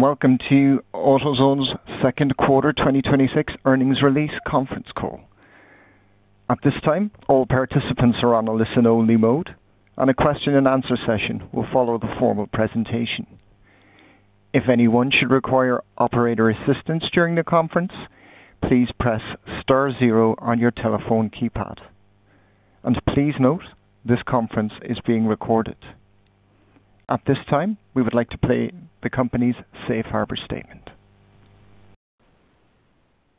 Welcome to AutoZone's 2nd Quarter 2026 Earnings Release Conference Call. At this time, all participants are on a listen-only mode and a question-and-answer session will follow the formal presentation. If anyone should require operator assistance during the conference, please press star zero on your telephone keypad. Please note this conference is being recorded. At this time, we would like to play the company's Safe Harbor statement.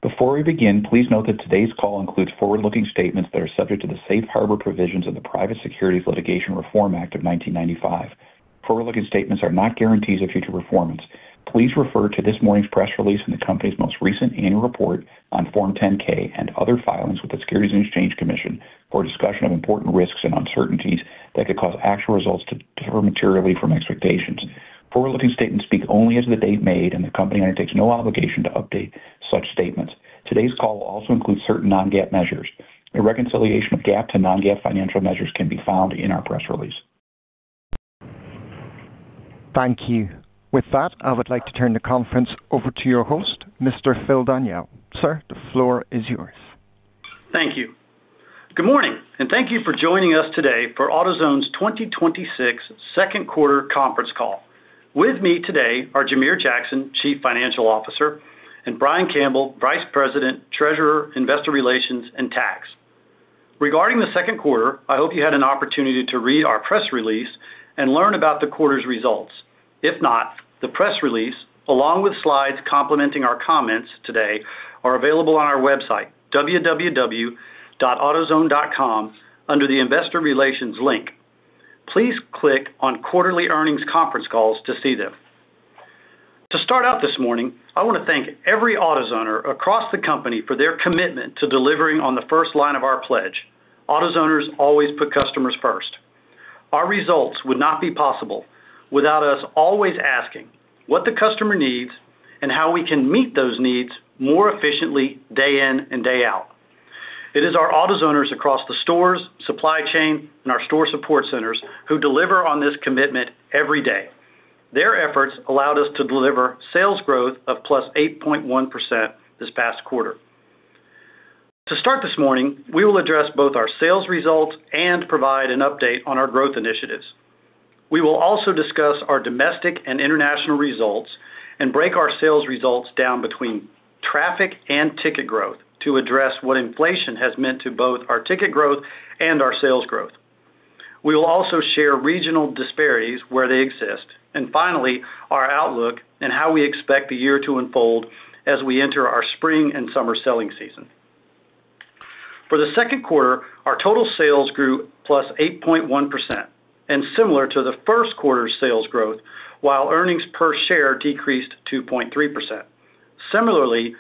Before we begin, please note that today's call includes forward-looking statements that are subject to the safe harbor provisions of the Private Securities Litigation Reform Act of 1995. Forward-looking statements are not guarantees of future performance. Please refer to this morning's press release and the company's most recent annual report on Form 10-K and other filings with the Securities and Exchange Commission for a discussion of important risks and uncertainties that could cause actual results to differ materially from expectations. Forward-looking statements speak only as of the date made, and the company undertakes no obligation to update such statements. Today's call will also include certain non-GAAP measures. A reconciliation of GAAP to non-GAAP financial measures can be found in our press release. Thank you. With that, I would like to turn the conference over to your host, Mr. Phil Daniele. Sir, the floor is yours. Thank you. Good morning, thank you for joining us today for AutoZone's 2026 second quarter conference call. With me today are Jamere Jackson, Chief Financial Officer, and Brian Campbell, Vice President, Treasurer, Investor Relations, and Tax. Regarding the second quarter, I hope you had an opportunity to read our press release and learn about the quarter's results. If not, the press release, along with slides complementing our comments today, are available on our website, www.autozone.com, under the Investor Relations link. Please click on Quarterly Earnings Conference Calls to see them. To start out this morning, I wanna thank every AutoZoner across the company for their commitment to delivering on the first line of our pledge. AutoZoners always put customers first. Our results would not be possible without us always asking what the customer needs and how we can meet those needs more efficiently day in and day out. It is our AutoZoners across the stores, supply chain, and our store support centers who deliver on this commitment every day. Their efforts allowed us to deliver sales growth of +8.1% this past quarter. To start this morning, we will address both our sales results and provide an update on our growth initiatives. We will also discuss our domestic and international results and break our sales results down between traffic and ticket growth to address what inflation has meant to both our ticket growth and our sales growth. We will also share regional disparities where they exist, and finally, our outlook and how we expect the year to unfold as we enter our spring and summer selling season. For the second quarter, our total sales grew +8.1%, and similar to the first quarter's sales growth, while earnings per share decreased 2.3%. Similarly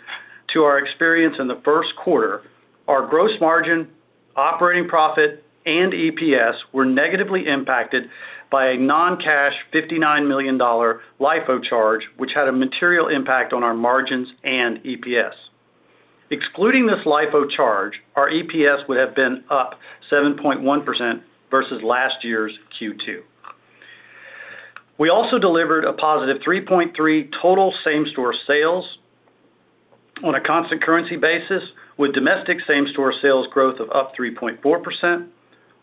to our experience in the first quarter, our gross margin, operating profit, and EPS were negatively impacted by a non-cash $59 million LIFO charge, which had a material impact on our margins and EPS. Excluding this LIFO charge, our EPS would have been up 7.1% versus last year's Q2. We also delivered a positive 3.3 total same-store sales on a constant currency basis, with domestic same-store sales growth of +3.4%.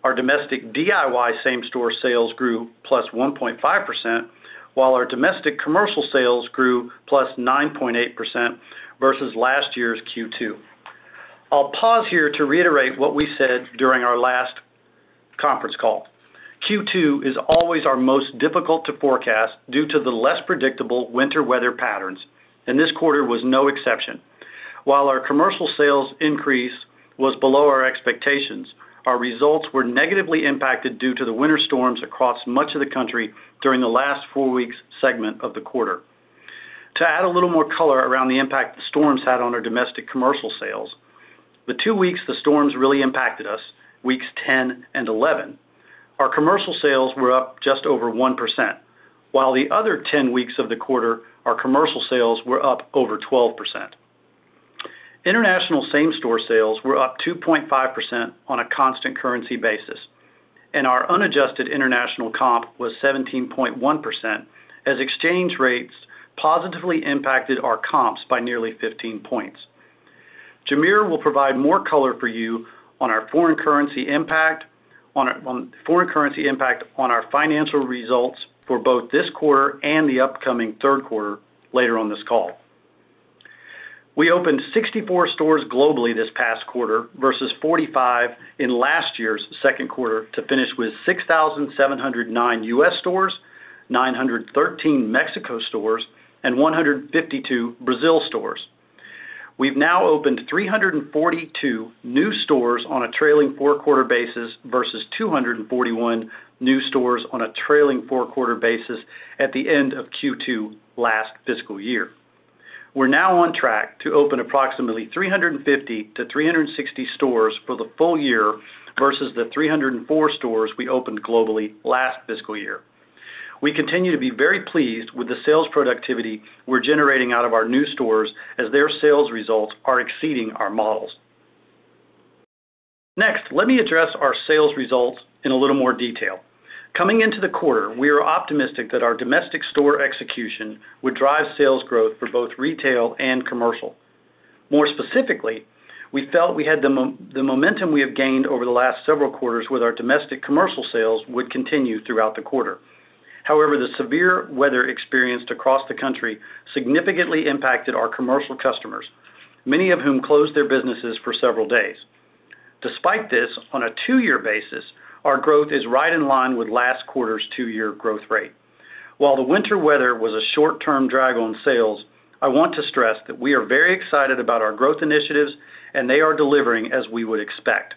Our domestic DIY same-store sales grew +1.5%, while our domestic commercial sales grew +9.8% versus last year's Q2. I'll pause here to reiterate what we said during our last conference call. Q2 is always our most difficult to forecast due to the less predictable winter weather patterns, and this quarter was no exception. While our commercial sales increase was below our expectations, our results were negatively impacted due to the winter storms across much of the country during the last four weeks segment of the quarter. To add a little more color around the impact the storms had on our domestic commercial sales, the two weeks the storms really impacted us, weeks 10 and 11, our commercial sales were up just over 1%, while the other 10 weeks of the quarter, our commercial sales were up over 12%. International same-store sales were up 2.5% on a constant currency basis, and our unadjusted international comp was 17.1% as exchange rates positively impacted our comps by nearly 15 points. Jamere will provide more color for you on our foreign currency impact on foreign currency impact on our financial results for both this quarter and the upcoming third quarter later on this call. We opened 64 stores globally this past quarter versus 45 in last year's second quarter to finish with 6,709 U.S. stores, 913 Mexico stores, and 152 Brazil stores. We've now opened 342 new stores on a trailing four-quarter basis versus 241 new stores on a trailing four-quarter basis at the end of Q2 last fiscal year. We're now on track to open approximately 350-360 stores for the full year versus the 304 stores we opened globally last fiscal year. We continue to be very pleased with the sales productivity we're generating out of our new stores as their sales results are exceeding our models. Let me address our sales results in a little more detail. Coming into the quarter, we were optimistic that our domestic store execution would drive sales growth for both retail and commercial. More specifically, we felt we had the momentum we have gained over the last several quarters with our domestic commercial sales would continue throughout the quarter. The severe weather experienced across the country significantly impacted our commercial customers, many of whom closed their businesses for several days. Despite this, on a two-year basis, our growth is right in line with last quarter's two-year growth rate. While the winter weather was a short-term drag on sales, I want to stress that we are very excited about our growth initiatives, and they are delivering as we would expect.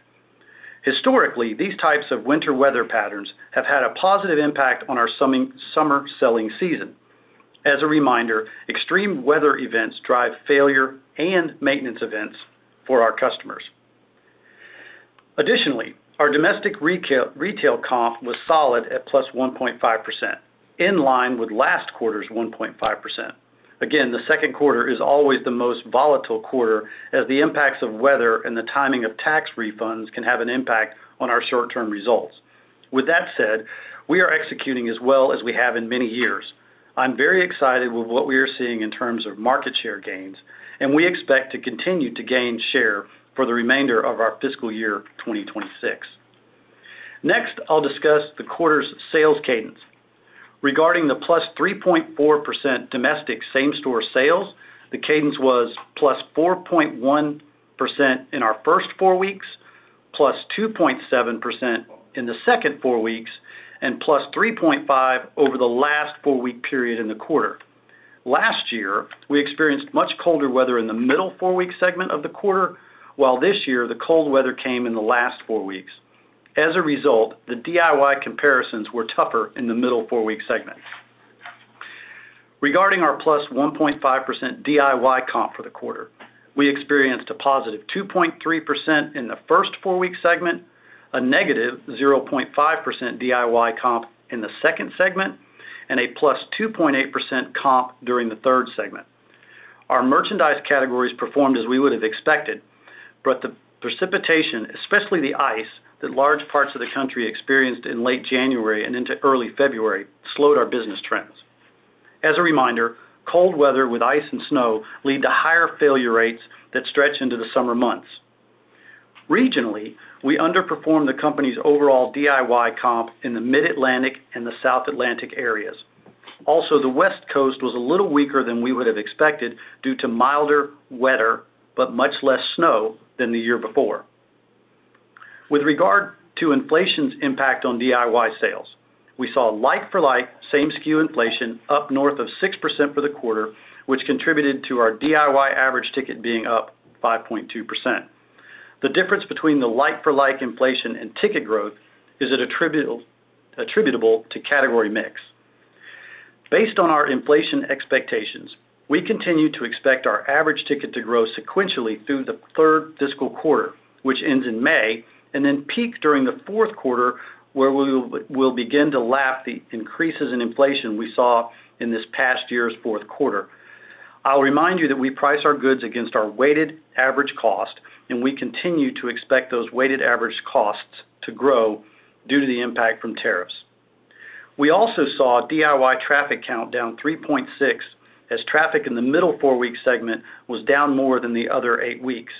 Historically, these types of winter weather patterns have had a positive impact on our summer selling season. As a reminder, extreme weather events drive failure and maintenance events for our customers. Additionally, our domestic retail comp was solid at +1.5%, in line with last quarter's 1.5%. The second quarter is always the most volatile quarter as the impacts of weather and the timing of tax refunds can have an impact on our short-term results. With that said, we are executing as well as we have in many years. I'm very excited with what we are seeing in terms of market share gains, and we expect to continue to gain share for the remainder of our fiscal year 2026. Next, I'll discuss the quarter's sales cadence. Regarding the +3.4% domestic same-store sales, the cadence was +4.1% in our first four weeks, +2.7% in the second four weeks, and +3.5 over the last four-week period in the quarter. Last year, we experienced much colder weather in the middle four-week segment of the quarter, while this year, the cold weather came in the last four weeks. As a result, the DIY comparisons were tougher in the middle four-week segment. Regarding our +1.5% DIY comp for the quarter, we experienced a +2.3% in the first four-week segment, a -0.5% DIY comp in the second segment, and a +2.8% comp during the third segment. Our merchandise categories performed as we would have expected, but the precipitation, especially the ice that large parts of the country experienced in late January and into early February, slowed our business trends. As a reminder, cold weather with ice and snow lead to higher failure rates that stretch into the summer months. Regionally, we underperformed the company's overall DIY comp in the Mid-Atlantic and the South Atlantic areas. Also, the West Coast was a little weaker than we would have expected due to milder weather but much less snow than the year before. With regard to inflation's impact on DIY sales, we saw like-for-like same SKU inflation up north of 6% for the quarter, which contributed to our DIY average ticket being up 5.2%. The difference between the like-for-like inflation and ticket growth is attributable to category mix. Based on our inflation expectations, we continue to expect our average ticket to grow sequentially through the third fiscal quarter, which ends in May, and then peak during the fourth quarter, where we'll begin to lap the increases in inflation we saw in this past year's fourth quarter. I'll remind you that we price our goods against our weighted average cost, and we continue to expect those weighted average costs to grow due to the impact from tariffs. We also saw DIY traffic count down 3.6, as traffic in the middle four-week segment was down more than the other eight weeks.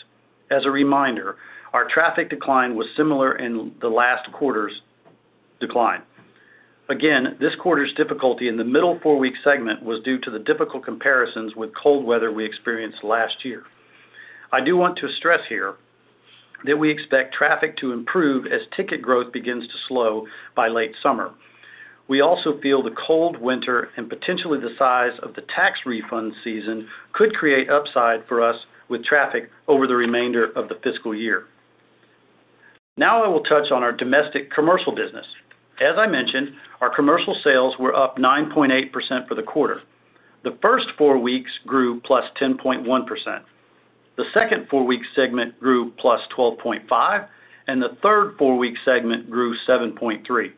As a reminder, our traffic decline was similar in the last quarter's decline. Again, this quarter's difficulty in the middle four-week segment was due to the difficult comparisons with cold weather we experienced last year. I do want to stress here that we expect traffic to improve as ticket growth begins to slow by late summer. We also feel the cold winter and potentially the size of the tax refund season could create upside for us with traffic over the remainder of the fiscal year. Now I will touch on our domestic commercial business. As I mentioned, our commercial sales were up 9.8% for the quarter. The first four weeks grew +10.1%. The second four-week segment grew +12.5%. The third four-week segment grew 7.3%.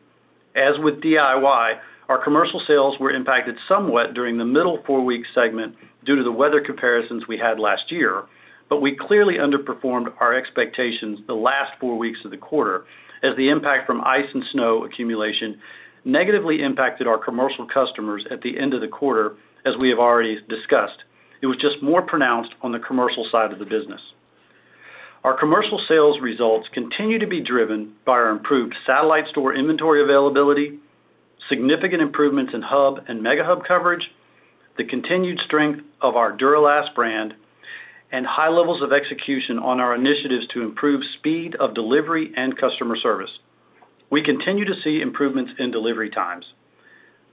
As with DIY, our commercial sales were impacted somewhat during the middle four-week segment due to the weather comparisons we had last year. We clearly underperformed our expectations the last four weeks of the quarter as the impact from ice and snow accumulation negatively impacted our commercial customers at the end of the quarter, as we have already discussed. It was just more pronounced on the commercial side of the business. Our commercial sales results continue to be driven by our improved satellite store inventory availability, significant improvements in Hub and Mega Hub coverage, the continued strength of our Duralast brand, and high levels of execution on our initiatives to improve speed of delivery and customer service. We continue to see improvements in delivery times.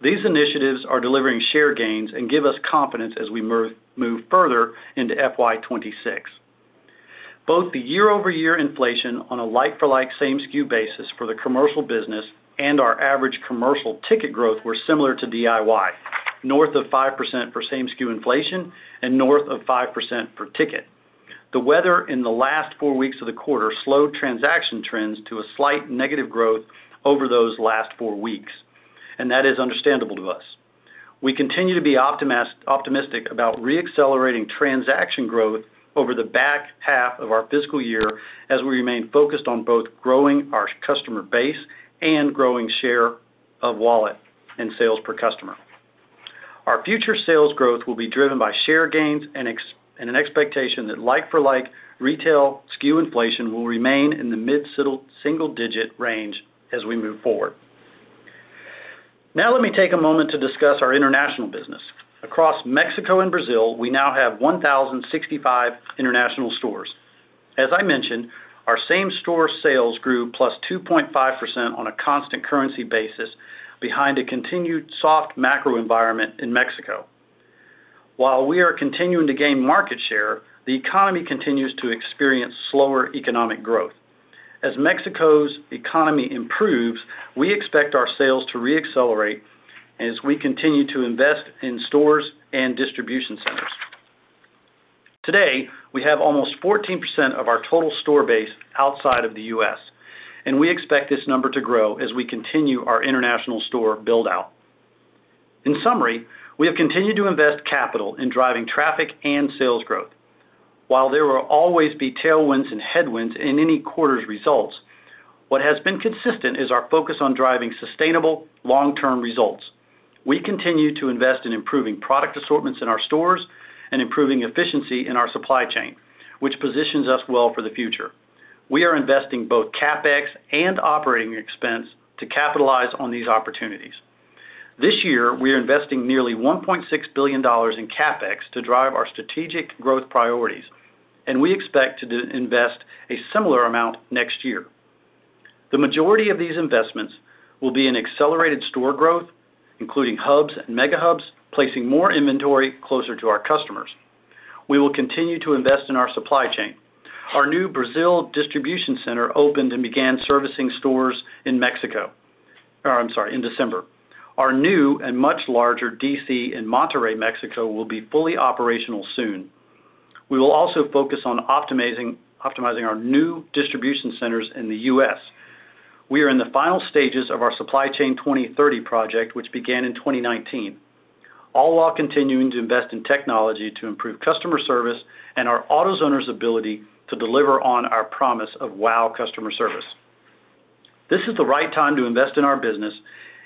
These initiatives are delivering share gains and give us confidence as we move further into FY 2026. Both the year-over-year inflation on a like-for-like, same SKU basis for the commercial business and our average commercial ticket growth were similar to DIY, north of 5% for same SKU inflation and north of 5% per ticket. The weather in the last four weeks of the quarter slowed transaction trends to a slight negative growth over those last four weeks, and that is understandable to us. We continue to be optimistic about re-accelerating transaction growth over the back half of our fiscal year as we remain focused on both growing our customer base and growing share of wallet and sales per customer. Our future sales growth will be driven by share gains and an expectation that like-for-like retail SKU inflation will remain in the mid-single-digit range as we move forward. Let me take a moment to discuss our international business. Across Mexico and Brazil, we now have 1,065 international stores. I mentioned, our same-store sales grew +2.5% on a constant currency basis behind a continued soft macro environment in Mexico. We are continuing to gain market share, the economy continues to experience slower economic growth. Mexico's economy improves, we expect our sales to re-accelerate and as we continue to invest in stores and distribution centers. We have almost 14% of our total store base outside of the U.S., and we expect this number to grow as we continue our international store build-out. We have continued to invest capital in driving traffic and sales growth. While there will always be tailwinds and headwinds in any quarter's results, what has been consistent is our focus on driving sustainable long-term results. We continue to invest in improving product assortments in our stores and improving efficiency in our supply chain, which positions us well for the future. We are investing both CapEx and operating expense to capitalize on these opportunities. This year, we are investing nearly $1.6 billion in CapEx to drive our strategic growth priorities, and we expect to invest a similar amount next year. The majority of these investments will be in accelerated store growth, including Hubs and Mega Hubs, placing more inventory closer to our customers. We will continue to invest in our supply chain. Our new Brazil distribution center opened and began servicing stores in Mexico. Or I'm sorry, in December. Our new and much larger DC in Monterrey, Mexico, will be fully operational soon. We will also focus on optimizing our new distribution centers in the U.S. We are in the final stages of our Supply Chain 2030 project, which began in 2019, all while continuing to invest in technology to improve customer service and our AutoZoners' ability to deliver on our promise of wow customer service. This is the right time to invest in our business,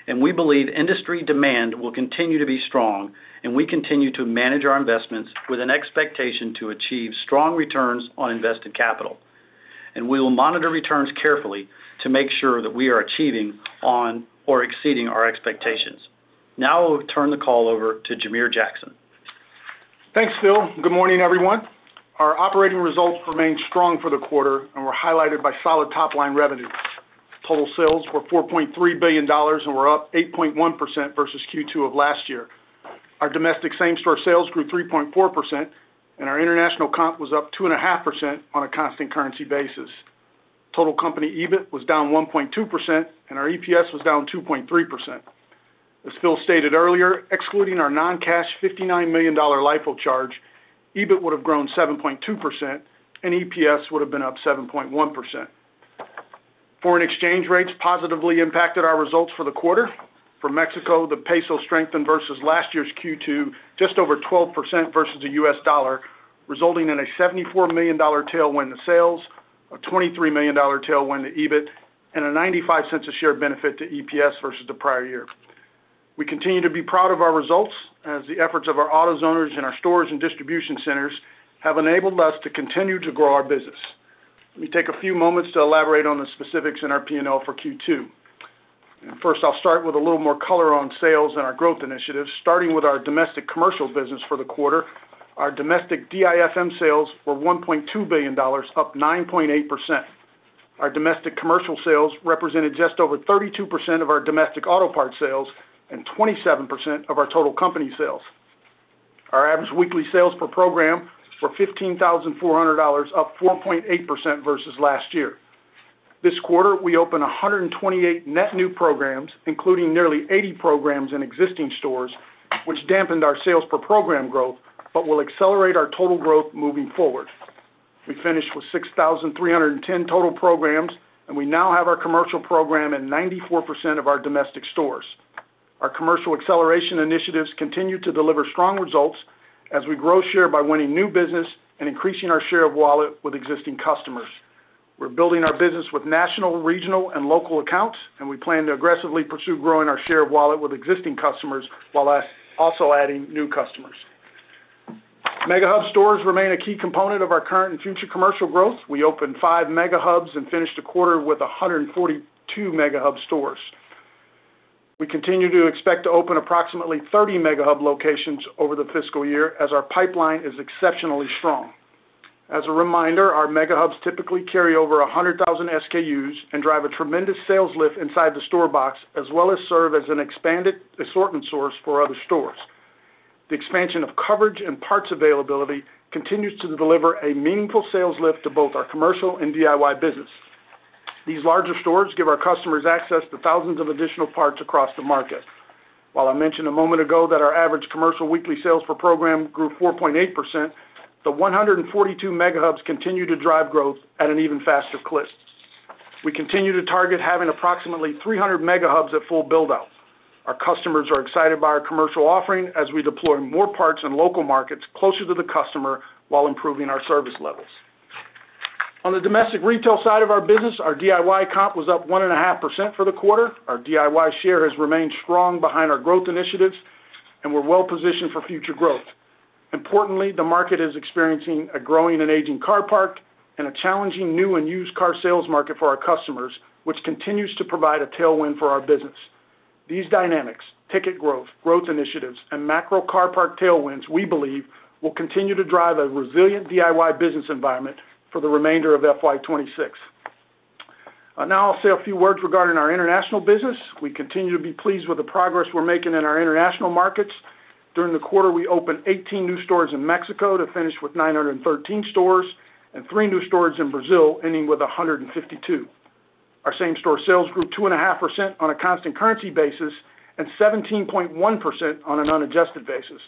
and we believe industry demand will continue to be strong, and we continue to manage our investments with an expectation to achieve strong returns on invested capital. We will monitor returns carefully to make sure that we are achieving on or exceeding our expectations. Now I will turn the call over to Jamere Jackson. Thanks, Phil. Good morning, everyone. Our operating results remained strong for the quarter and were highlighted by solid top-line revenue. Total sales were $4.3 billion and were up 8.1% versus Q2 of last year. Our domestic same-store sales grew 3.4%, and our international comp was up 2.5% on a constant currency basis. Total company EBIT was down 1.2%, and our EPS was down 2.3%. As Phil stated earlier, excluding our non-cash $59 million LIFO charge, EBIT would have grown 7.2% and EPS would have been up 7.1%. Foreign exchange rates positively impacted our results for the quarter. For Mexico, the peso strengthened versus last year's Q2 just over 12% versus the U.S. dollar, resulting in a $74 million tailwind to sales, a $23 million tailwind to EBIT, and a $0.95 a share benefit to EPS versus the prior year. We continue to be proud of our results as the efforts of our AutoZoners in our stores and distribution centers have enabled us to continue to grow our business. Let me take a few moments to elaborate on the specifics in our P&L for Q2. First, I'll start with a little more color on sales and our growth initiatives, starting with our domestic commercial business for the quarter. Our domestic DIFM sales were $1.2 billion, up 9.8%. Our domestic commercial sales represented just over 32% of our domestic auto parts sales and 27% of our total company sales. Our average weekly sales per program were $15,400, up 4.8% versus last year. This quarter, we opened 128 net new programs, including nearly 80 programs in existing stores, which dampened our sales per program growth but will accelerate our total growth moving forward. We finished with 6,310 total programs, and we now have our commercial program in 94% of our domestic stores. Our commercial acceleration initiatives continue to deliver strong results as we grow share by winning new business and increasing our share of wallet with existing customers. We're building our business with national, regional, and local accounts, and we plan to aggressively pursue growing our share of wallet with existing customers while also adding new customers. Mega Hub stores remain a key component of our current and future commercial growth. We opened five Mega Hubs and finished the quarter with 142 Mega Hub stores. We continue to expect to open approximately 30 Mega Hub locations over the fiscal year as our pipeline is exceptionally strong. As a reminder, our Mega Hubs typically carry over 100,000 SKUs and drive a tremendous sales lift inside the store box, as well as serve as an expanded assortment source for other stores. The expansion of coverage and parts availability continues to deliver a meaningful sales lift to both our commercial and DIY business. These larger stores give our customers access to thousands of additional parts across the market. While I mentioned a moment ago that our average commercial weekly sales per program grew 4.8%, the 142 Mega Hubs continue to drive growth at an even faster clip. We continue to target having approximately 300 Mega Hubs at full build-out. Our customers are excited by our commercial offering as we deploy more parts in local markets closer to the customer while improving our service levels. On the domestic retail side of our business, our DIY comp was up 1.5% for the quarter. Our DIY share has remained strong behind our growth initiatives, and we're well-positioned for future growth. Importantly, the market is experiencing a growing and aging car park and a challenging new and used car sales market for our customers, which continues to provide a tailwind for our business. These dynamics, ticket growth initiatives, and macro car park tailwinds, we believe, will continue to drive a resilient DIY business environment for the remainder of FY 2026. Now I'll say a few words regarding our international business. We continue to be pleased with the progress we're making in our international markets. During the quarter, we opened 18 new stores in Mexico to finish with 913 stores and three new stores in Brazil, ending with 152. Our same-store sales grew 2.5% on a constant currency basis and 17.1% on an unadjusted basis.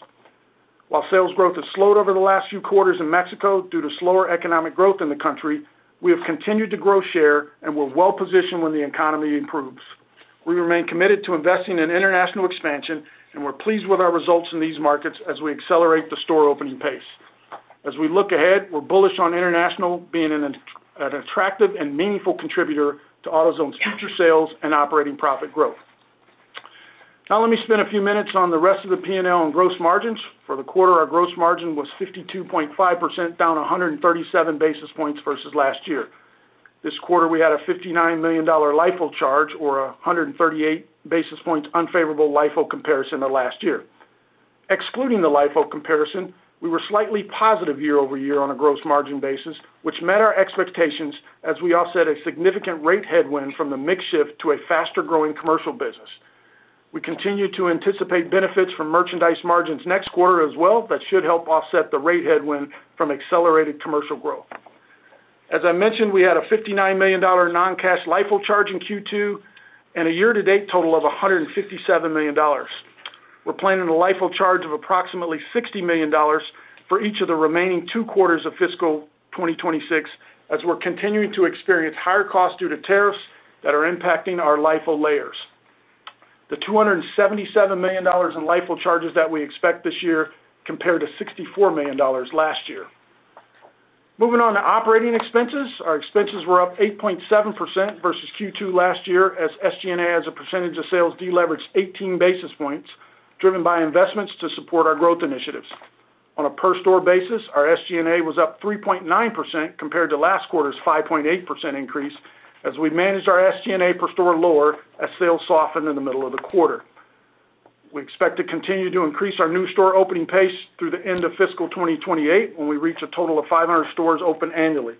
While sales growth has slowed over the last few quarters in Mexico due to slower economic growth in the country, we have continued to grow share and we're well-positioned when the economy improves. We remain committed to investing in international expansion, we're pleased with our results in these markets as we accelerate the store opening pace. As we look ahead, we're bullish on international being an attractive and meaningful contributor to AutoZone's future sales and operating profit growth. Let me spend a few minutes on the rest of the P&L and gross margins. For the quarter, our gross margin was 52.5%, down 137 basis points versus last year. This quarter, we had a $59 million LIFO charge, 138 basis points unfavorable LIFO comparison to last year. Excluding the LIFO comparison, we were slightly positive year-over-year on a gross margin basis, which met our expectations as we offset a significant rate headwind from the mix shift to a faster-growing commercial business. We continue to anticipate benefits from merchandise margins next quarter as well that should help offset the rate headwind from accelerated commercial growth. As I mentioned, we had a $59 million non-cash LIFO charge in Q2 and a year-to-date total of $157 million. We're planning a LIFO charge of approximately $60 million for each of the remaining two quarters of fiscal 2026, as we're continuing to experience higher costs due to tariffs that are impacting our LIFO layers. The $277 million in LIFO charges that we expect this year compare to $64 million last year. Moving on to operating expenses. Our expenses were up 8.7% versus Q2 last year, as SG&A as a percentage of sales deleveraged 18 basis points, driven by investments to support our growth initiatives. On a per store basis, our SG&A was up 3.9% compared to last quarter's 5.8% increase as we managed our SG&A per store lower as sales softened in the middle of the quarter. We expect to continue to increase our new store opening pace through the end of fiscal 2028 when we reach a total of 500 stores open annually.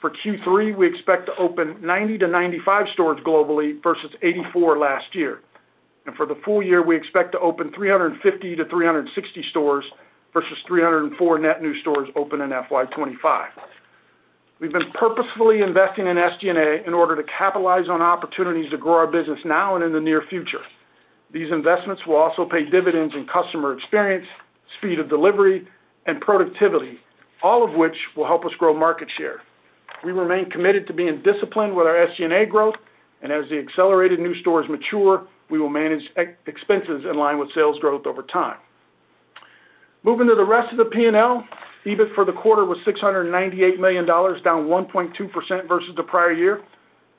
For Q3, we expect to open 90-95 stores globally versus 84 last year. For the full year, we expect to open 350-360 stores versus 304 net new stores opened in FY 2025. We've been purposefully investing in SG&A in order to capitalize on opportunities to grow our business now and in the near future. These investments will also pay dividends in customer experience, speed of delivery, and productivity, all of which will help us grow market share. We remain committed to being disciplined with our SG&A growth, and as the accelerated new stores mature, we will manage ex-expenses in line with sales growth over time. Moving to the rest of the P&L, EBIT for the quarter was $698 million, down 1.2% versus the prior year.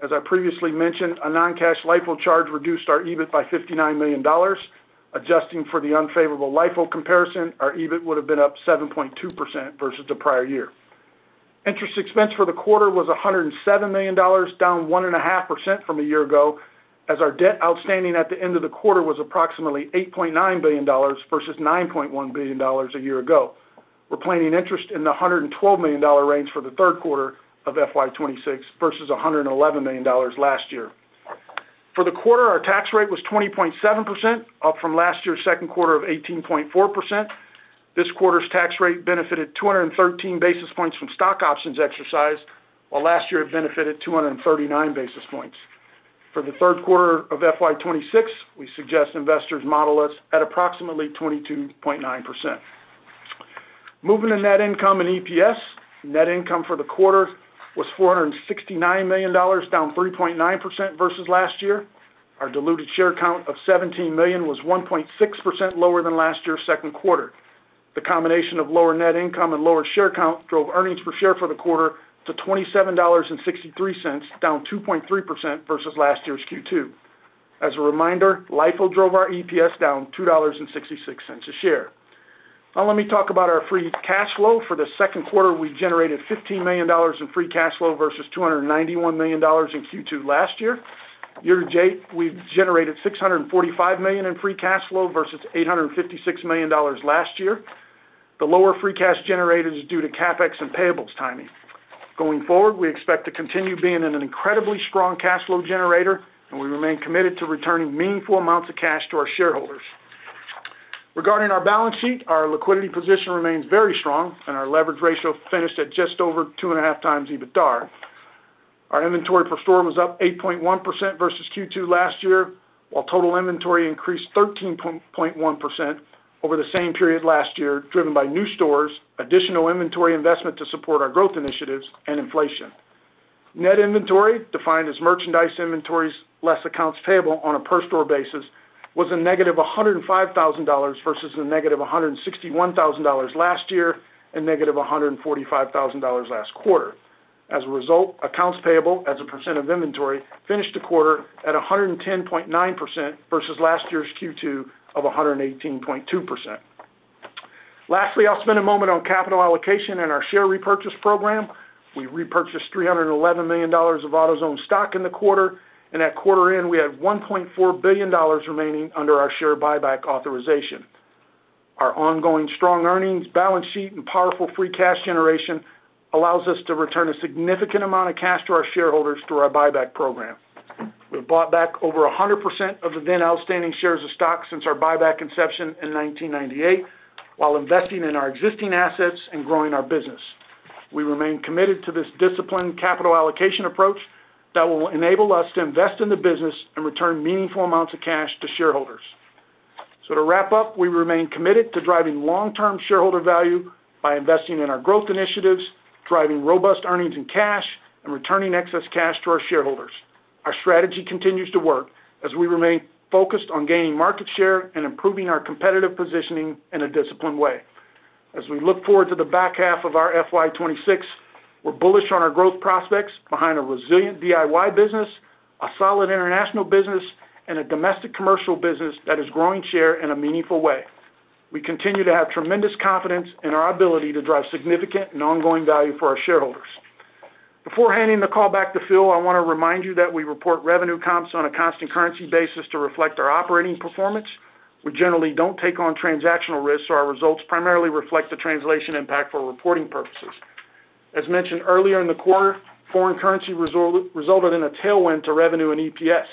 As I previously mentioned, a non-cash LIFO charge reduced our EBIT by $59 million. Adjusting for the unfavorable LIFO comparison, our EBIT would have been up 7.2% versus the prior year. Interest expense for the quarter was $107 million, down 1.5% from a year ago as our debt outstanding at the end of the quarter was approximately $8.9 billion versus $9.1 billion a year ago. We're planning interest in the $112 million range for the third quarter of FY 2026 versus $111 million last year. For the quarter, our tax rate was 20.7%, up from last year's second quarter of 18.4%. This quarter's tax rate benefited 213 basis points from stock options exercised, while last year it benefited 239 basis points. For the third quarter of FY 2026, we suggest investors model us at approximately 22.9%. Moving to net income and EPS. Net income for the quarter was $469 million, down 3.9% versus last year. Our diluted share count of 17 million was 1.6% lower than last year's second quarter. The combination of lower net income and lower share count drove earnings per share for the quarter to $27.63, down 2.3% versus last year's Q2. As a reminder, LIFO drove our EPS down $2.66 a share. Let me talk about our free cash flow. For the second quarter, we generated $15 million in free cash flow versus $291 million in Q2 last year. Year to date, we've generated $645 million in free cash flow versus $856 million last year. The lower free cash generated is due to CapEx and payables timing. Going forward, we expect to continue being an incredibly strong cash flow generator, and we remain committed to returning meaningful amounts of cash to our shareholders. Regarding our balance sheet, our liquidity position remains very strong and our leverage ratio finished at just over 2.5x EBITDAR. Our inventory per store was up 8.1% versus Q2 last year. While total inventory increased 13.1% over the same period last year, driven by new stores, additional inventory investment to support our growth initiatives and inflation. Net inventory, defined as merchandise inventories less accounts payable on a per store basis, was a negative $105,000 versus a negative $161,000 last year and negative $145,000 last quarter. As a result, accounts payable as a % of inventory finished the quarter at 110.9% versus last year's Q2 of 118.2%. Lastly, I'll spend a moment on capital allocation and our share repurchase program. We repurchased $311 million of AutoZone stock in the quarter, and at quarter end we had $1.4 billion remaining under our share buyback authorization. Our ongoing strong earnings balance sheet and powerful free cash generation allows us to return a significant amount of cash to our shareholders through our buyback program. We've bought back over 100% of the then outstanding shares of stock since our buyback inception in 1998, while investing in our existing assets and growing our business. We remain committed to this disciplined capital allocation approach that will enable us to invest in the business and return meaningful amounts of cash to shareholders. To wrap up, we remain committed to driving long-term shareholder value by investing in our growth initiatives, driving robust earnings and cash, and returning excess cash to our shareholders. Our strategy continues to work as we remain focused on gaining market share and improving our competitive positioning in a disciplined way. As we look forward to the back half of our FY 2026, we're bullish on our growth prospects behind a resilient DIY business, a solid international business, and a domestic commercial business that is growing share in a meaningful way. We continue to have tremendous confidence in our ability to drive significant and ongoing value for our shareholders. Before handing the call back to Phil, I wanna remind you that we report revenue comps on a constant currency basis to reflect our operating performance. We generally don't take on transactional risks, so our results primarily reflect the translation impact for reporting purposes. As mentioned earlier in the quarter, foreign currency resulted in a tailwind to revenue and EPS.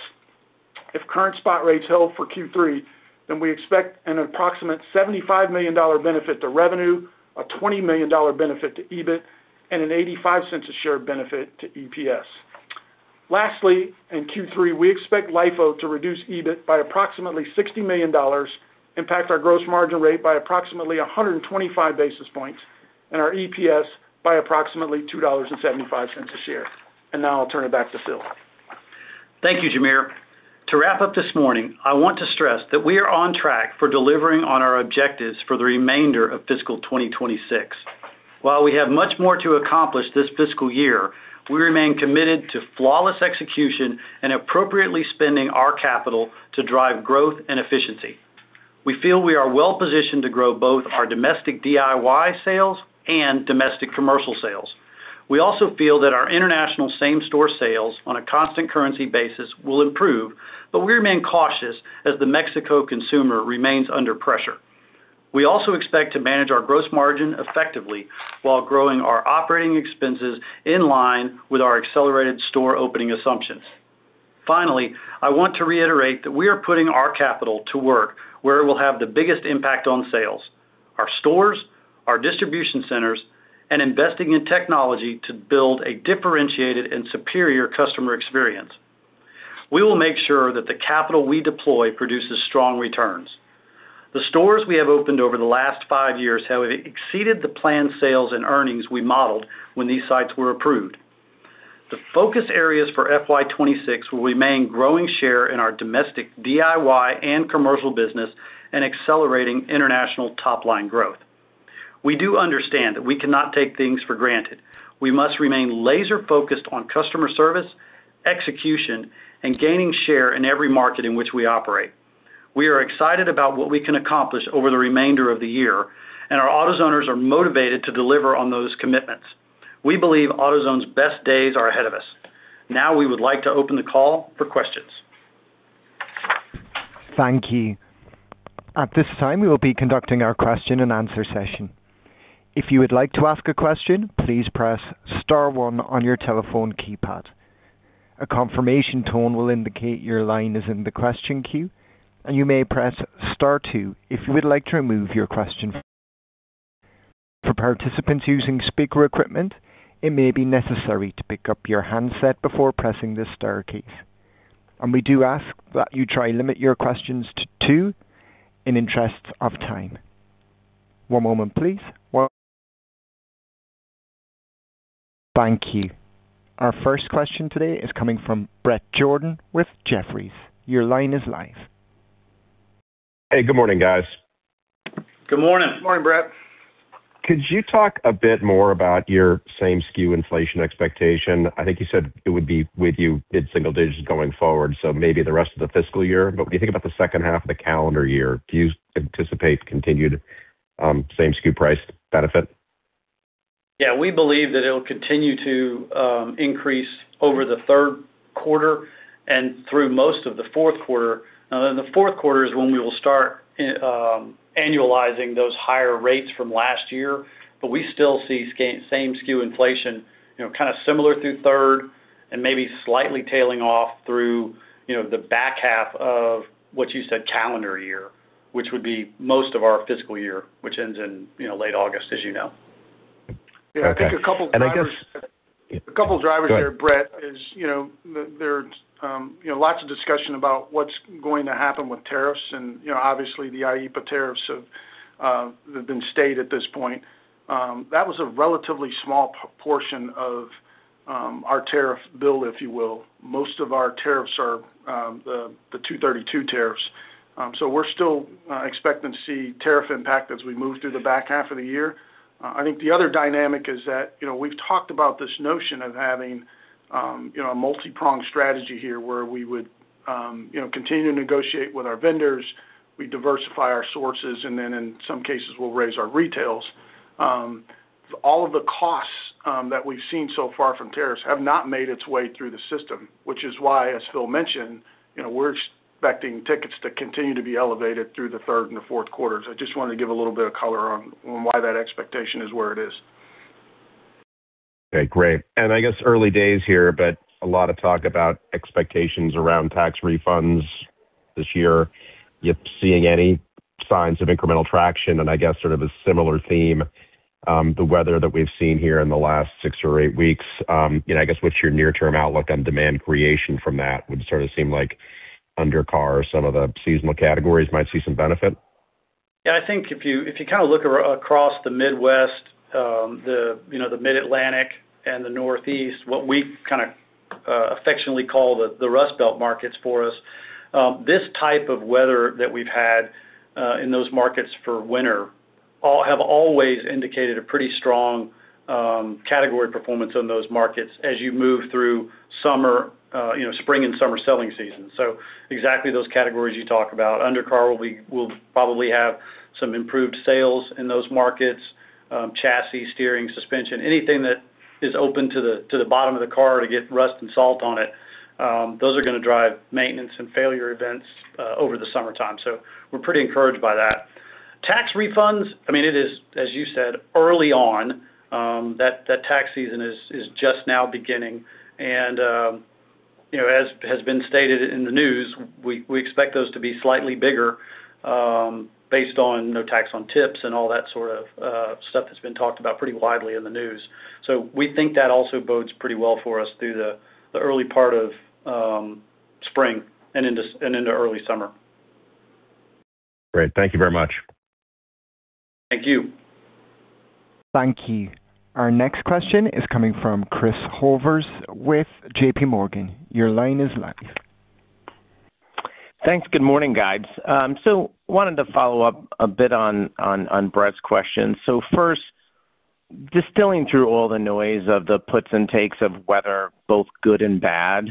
If current spot rates held for Q3, then we expect an approximate $75 million benefit to revenue, a $20 million benefit to EBIT and an $0.85 a share benefit to EPS. Lastly, in Q3, we expect LIFO to reduce EBIT by approximately $60 million, impact our gross margin rate by approximately 125 basis points and our EPS by approximately $2.75 a share. Now I'll turn it back to Phil. Thank you, Jamere. To wrap up this morning, I want to stress that we are on track for delivering on our objectives for the remainder of fiscal 2026. While we have much more to accomplish this fiscal year, we remain committed to flawless execution and appropriately spending our capital to drive growth and efficiency. We feel we are well-positioned to grow both our domestic DIY sales and domestic commercial sales. We also feel that our international same store sales on a constant currency basis will improve, but we remain cautious as the Mexico consumer remains under pressure. We also expect to manage our gross margin effectively while growing our operating expenses in line with our accelerated store opening assumptions. Finally, I want to reiterate that we are putting our capital to work where it will have the biggest impact on sales, our stores, our distribution centers, and investing in technology to build a differentiated and superior customer experience. We will make sure that the capital we deploy produces strong returns. The stores we have opened over the last five years have exceeded the planned sales and earnings we modeled when these sites were approved. The focus areas for FY 2026 will remain growing share in our domestic DIY and commercial business and accelerating international top line growth. We do understand that we cannot take things for granted. We must remain laser-focused on customer service, execution, and gaining share in every market in which we operate. We are excited about what we can accomplish over the remainder of the year, and our AutoZoners are motivated to deliver on those commitments. We believe AutoZone's best days are ahead of us. We would like to open the call for questions. Thank you. At this time, we will be conducting our question-and-answer session. If you would like to ask a question, please press star one on your telephone keypad. A confirmation tone will indicate your line is in the question queue, and you may press star two if you would like to remove your question. For participants using speaker equipment, it may be necessary to pick up your handset before pressing the star key. We do ask that you try limit your questions two in interest of time. One moment please. Thank you. Our first question today is coming from Bret Jordan with Jefferies. Your line is live. Hey, good morning, guys. Good morning. Good morning, Bret. Could you talk a bit more about your same SKU inflation expectation? I think you said it would be with you mid-single digits going forward, so maybe the rest of the fiscal year. When you think about the second half of the calendar year, do you anticipate continued, same SKU price benefit? We believe that it'll continue to increase over the third quarter and through most of the fourth quarter. In the fourth quarter is when we will start annualizing those higher rates from last year. We still see same SKU inflation, you know, kind of similar through third and maybe slightly tailing off through, you know, the back half of what you said calendar year, which would be most of our fiscal year, which ends in, you know, late August, as you know. Yeah, I think a couple drivers-. I guess. A couple drivers there, Bret, is, you know, lots of discussion about what's going to happen with tariffs and, you know, obviously the IEEPA tariffs have been stayed at this point. That was a relatively small portion of our tariff bill, if you will. Most of our tariffs are the Section 232 tariffs. We're still expecting to see tariff impact as we move through the back half of the year. I think the other dynamic is that, you know, we've talked about this notion of having a multipronged strategy here where we would continue to negotiate with our vendors, we diversify our sources, and then in some cases, we'll raise our retails. All of the costs that we've seen so far from tariffs have not made its way through the system, which is why, as Phil mentioned, you know, we're expecting tickets to continue to be elevated through the third and the fourth quarters. I just wanted to give a little bit of color on why that expectation is where it is. Okay, great. I guess early days here, but a lot of talk about expectations around tax refunds this year. You seeing any signs of incremental traction and I guess sort of a similar theme, the weather that we've seen here in the last six or eight weeks, you know, I guess, what's your near-term outlook on demand creation from that would sort of seem like undercar, some of the seasonal categories might see some benefit? Yeah, I think if you kind of look across the Midwest, the, you know, the Mid-Atlantic and the Northeast, what we kind of affectionately call the Rust Belt markets for us, this type of weather that we've had in those markets for winter have always indicated a pretty strong category performance in those markets as you move through summer, you know, spring and summer selling season. Exactly those categories you talk about. Undercar will probably have some improved sales in those markets, chassis, steering, suspension, anything that is open to the bottom of the car to get rust and salt on it, those are gonna drive maintenance and failure events over the summertime. We're pretty encouraged by that. Tax refunds, I mean, it is, as you said, early on, that tax season is just now beginning. You know, as has been stated in the news, we expect those to be slightly bigger, based on no tax on tips and all that sort of stuff that's been talked about pretty widely in the news. We think that also bodes pretty well for us through the early part of spring and into early summer. Great. Thank you very much. Thank you. Thank you. Our next question is coming from Christopher Horvers with J.P. Morgan. Your line is live. Thanks. Good morning, guys. Wanted to follow up a bit on Bret Jordan's question. First, distilling through all the noise of the puts and takes of weather, both good and bad,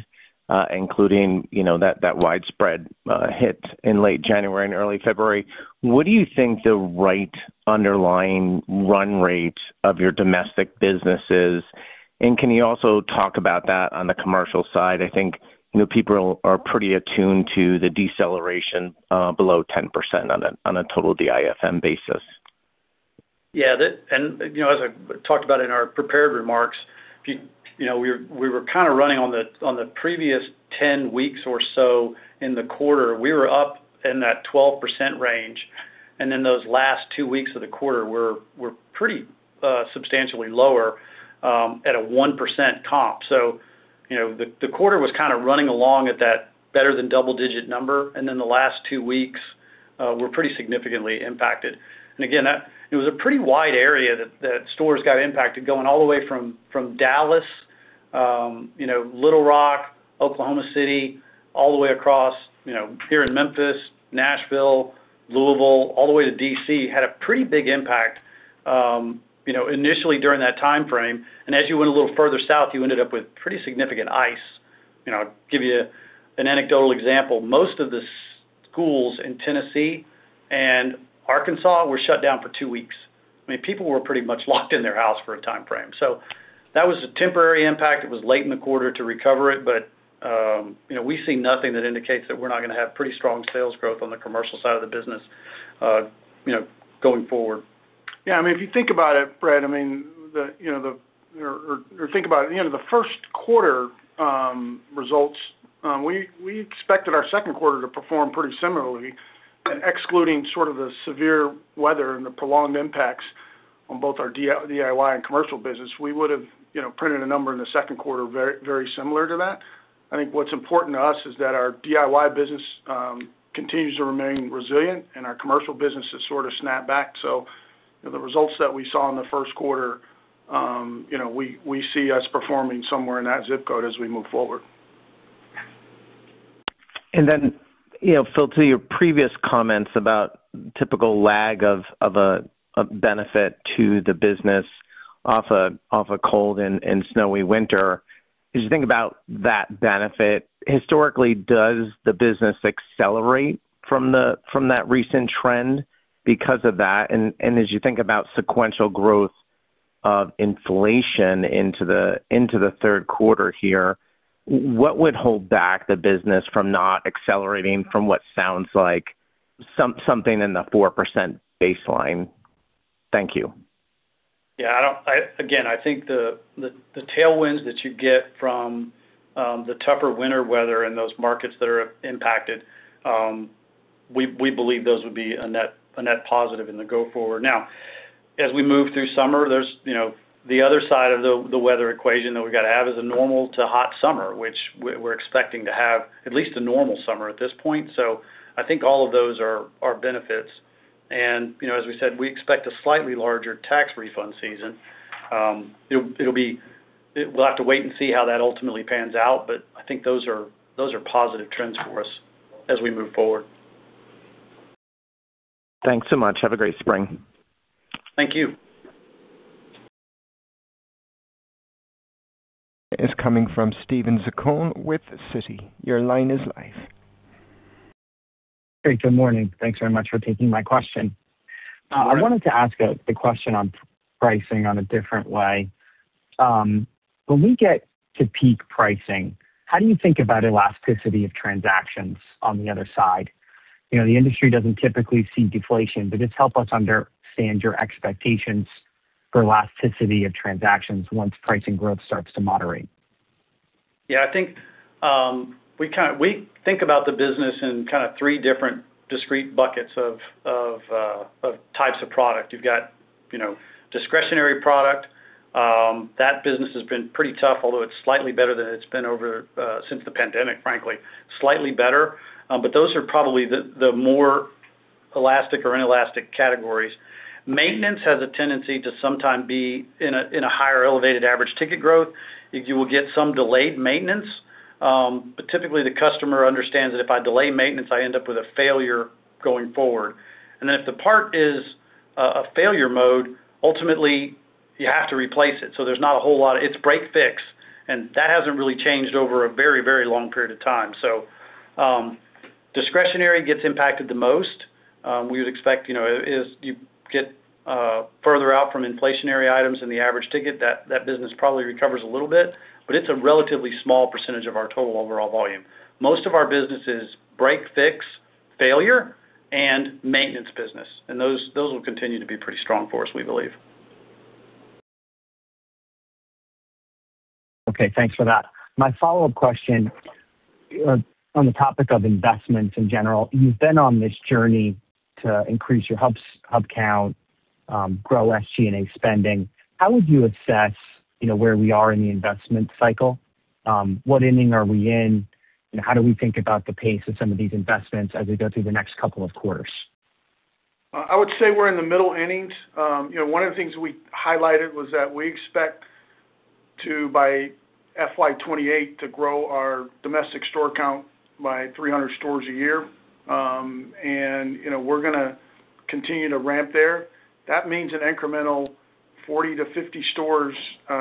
including, you know, that widespread hit in late January and early February, what do you think the right underlying run rate of your domestic business is? Can you also talk about that on the commercial side? I think, you know, people are pretty attuned to the deceleration below 10% on a total DIFM basis. Yeah. You know, as I talked about in our prepared remarks, you know, we were kind of running on the, on the previous 10 weeks or so in the quarter. We were up in that 12% range, then those last two weeks of the quarter were pretty substantially lower at a 1% comp. You know, the quarter was kind of running along at that better than double-digit number, then the last two weeks were pretty significantly impacted. Again, it was a pretty wide area that stores got impacted going all the way from Dallas, you know, Little Rock, Oklahoma City, all the way across, you know, here in Memphis, Nashville, Louisville, all the way to D.C., had a pretty big impact, you know, initially during that timeframe. As you went a little further south, you ended up with pretty significant ice. You know, I'll give you an anecdotal example. Most of the schools in Tennessee and Arkansas were shut down for two weeks. I mean, people were pretty much locked in their house for a time frame. That was a temporary impact. It was late in the quarter to recover it, but, you know, we see nothing that indicates that we're not gonna have pretty strong sales growth on the commercial side of the business, you know, going forward. Yeah, I mean, if you think about it, Bret Jordan, I mean, you know, the first quarter results, we expected our second quarter to perform pretty similarly and excluding sort of the severe weather and the prolonged impacts on both our DIY and commercial business. We would have, you know, printed a number in the second quarter very similar to that. I think what's important to us is that our DIY business continues to remain resilient and our commercial business has sort of snapped back. You know, the results that we saw in the first quarter, you know, we see us performing somewhere in that ZIP Code as we move forward. Then, you know, Phil, to your previous comments about typical lag of a benefit to the business off a cold and snowy winter. As you think about that benefit, historically, does the business accelerate from that recent trend because of that? As you think about sequential growth of inflation into the third quarter here, what would hold back the business from not accelerating from what sounds like something in the 4% baseline? Thank you. Yeah, again, I think the tailwinds that you get from the tougher winter weather and those markets that are impacted, we believe those would be a net positive in the go forward. As we move through summer, there's, you know, the other side of the weather equation that we've got to have is a normal to hot summer, which we're expecting to have at least a normal summer at this point. I think all of those are benefits. You know, as we said, we expect a slightly larger tax refund season. It'll be, we'll have to wait and see how that ultimately pans out, but I think those are positive trends for us as we move forward. Thanks so much. Have a great spring. Thank you. Is coming from Steven Zaccone with Citi. Your line is live. Great. Good morning. Thanks very much for taking my question. I wanted to ask a question on pricing on a different way. When we get to peak pricing, how do you think about elasticity of transactions on the other side? You know, the industry doesn't typically see deflation. Just help us understand your expectations for elasticity of transactions once pricing growth starts to moderate. I think we think about the business in kind of three different discrete buckets of types of product. You've got, you know, discretionary product. That business has been pretty tough, although it's slightly better than it's been over since the pandemic, frankly. Slightly better. Those are probably the more elastic or inelastic categories. Maintenance has a tendency to sometimes be in a higher elevated average ticket growth. You will get some delayed maintenance. Typically the customer understands that if I delay maintenance, I end up with a failure going forward. If the part is a failure mode, ultimately you have to replace it. There's not a whole lot of it's break fix, and that hasn't really changed over a very long period of time. Discretionary gets impacted the most. We would expect, you know, as you get further out from inflationary items in the average ticket, that business probably recovers a little bit, but it's a relatively small percentage of our total overall volume. Most of our business is break fix failure and maintenance business, and those will continue to be pretty strong for us, we believe. Okay, thanks for that. My follow-up question on the topic of investments in general. You've been on this journey to increase your Hubs, Hub count, grow SG&A spending. How would you assess, you know, where we are in the investment cycle? What inning are we in, and how do we think about the pace of some of these investments as we go through the next couple of quarters? I would say we're in the middle innings. You know, one of the things we highlighted was that we expect to, by FY 2028, to grow our domestic store count by 300 stores a year. You know, we're gonna continue to ramp there. That means an incremental 40-50 stores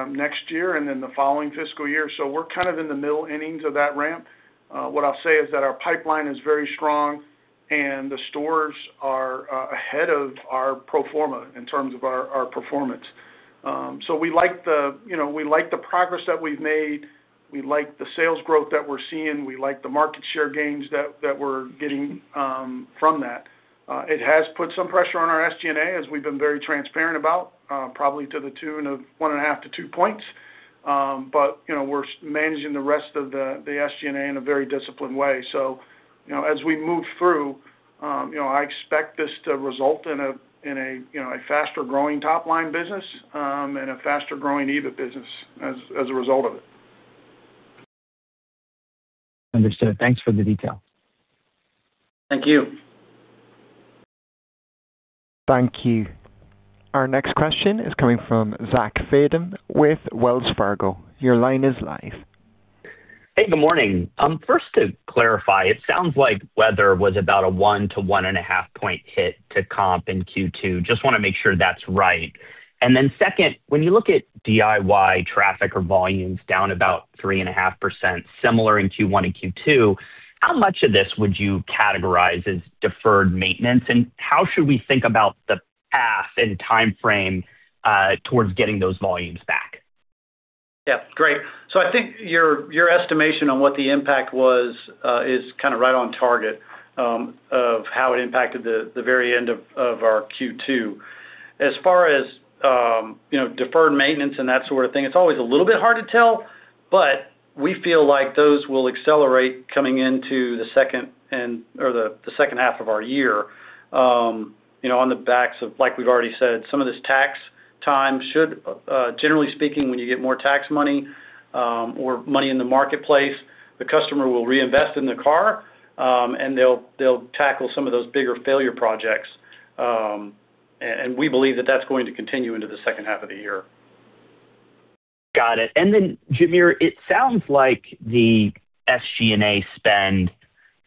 next year and then the following fiscal year. We're kind of in the middle innings of that ramp. What I'll say is that our pipeline is very strong and the stores are ahead of our pro forma in terms of our performance. We like the, you know, we like the progress that we've made. We like the sales growth that we're seeing. We like the market share gains that we're getting from that. It has put some pressure on our SG&A, as we've been very transparent about, probably to the tune of 1.5%-2%. You know, we're managing the rest of the SG&A in a very disciplined way. You know, as we move through, you know, I expect this to result in a faster growing top-line business, and a faster growing EBIT business as a result of it. Understood. Thanks for the detail. Thank you. Thank you. Our next question is coming from Zachary Fadem with Wells Fargo. Your line is live. Hey, good morning. First, to clarify, it sounds like weather was about a one-1.5 point hit to comp in Q2. Just wanna make sure that's right. Second, when you look at DIY traffic or volumes down about 3.5%, similar in Q1 and Q2, how much of this would you categorize as deferred maintenance, and how should we think about the path and timeframe, towards getting those volumes back? Yeah, great. I think your estimation on what the impact was, is kind of right on target, of how it impacted the very end of our Q2. As far as, you know, deferred maintenance and that sort of thing, it's always a little bit hard to tell, but we feel like those will accelerate coming into the second half of our year, you know, on the backs of, like we've already said, some of this tax time should, generally speaking, when you get more tax money, or money in the marketplace, the customer will reinvest in the car, and they'll tackle some of those bigger failure projects. And we believe that that's going to continue into the second half of the year. Got it. Then, Jamere, it sounds like the SG&A spend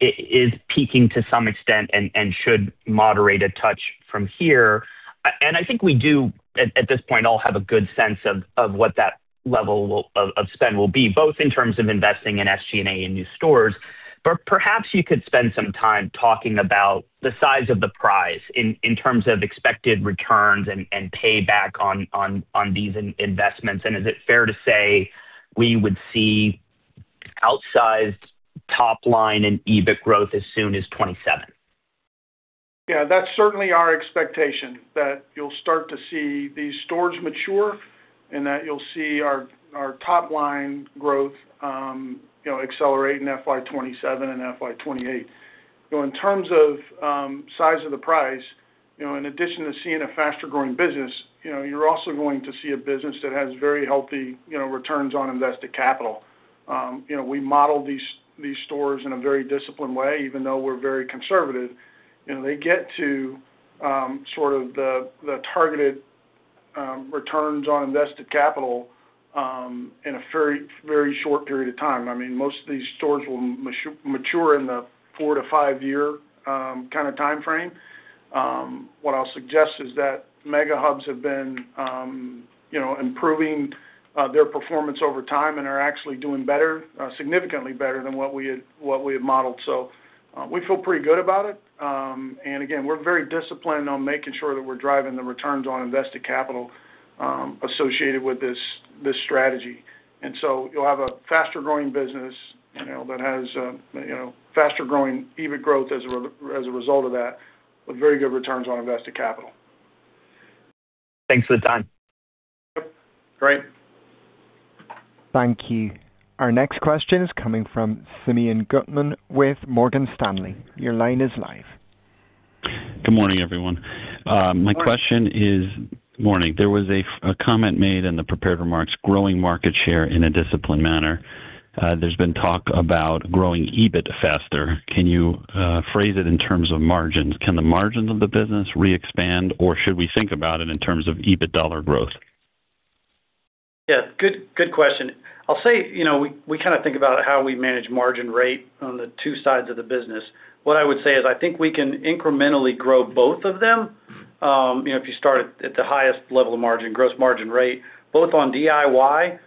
is peaking to some extent and should moderate a touch from here. I think we do at this point all have a good sense of what that level will of spend will be, both in terms of investing in SG&A and new stores. But perhaps you could spend some time talking about the size of the prize in terms of expected returns and payback on these investments. Is it fair to say we would see outsized top line and EBIT growth as soon as 2027? Yeah, that's certainly our expectation that you'll start to see these stores mature and that you'll see our top line growth, you know, accelerate in FY 2027 and FY 2028. In terms of, size of the price, you know, in addition to seeing a faster-growing business, you know, you're also going to see a business that has very healthy, you know, returns on invested capital. You know, we model these stores in a very disciplined way, even though we're very conservative. You know, they get to, sort of the targeted, returns on invested capital, in a very, very short period of time. I mean, most of these stores will mature in the 4-5 year, kind of time frame. What I'll suggest is that Mega Hubs have been, you know, improving their performance over time and are actually doing better, significantly better than what we had modeled. We feel pretty good about it. Again, we're very disciplined on making sure that we're driving the returns on invested capital associated with this strategy. You'll have a faster growing business, you know, that has, you know, faster-growing EBIT growth as a result of that, with very good returns on invested capital. Thanks for the time. Great. Thank you. Our next question is coming from Simeon Gutman with Morgan Stanley. Your line is live. Good morning, everyone. My question is. Morning. Morning. There was a comment made in the prepared remarks, growing market share in a disciplined manner. There's been talk about growing EBIT faster. Can you phrase it in terms of margins? Can the margins of the business re-expand, or should we think about it in terms of EBIT dollar growth? Good, good question. I'll say, you know, we kind of think about how we manage margin rate on the two sides of the business. What I would say is, I think we can incrementally grow both of them. You know, if you start at the highest level of margin, gross margin rate, both on DIY,